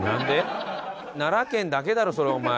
奈良県だけだろそれお前。